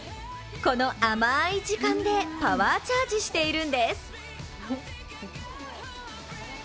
この甘い時間でパワーチャージしているんです。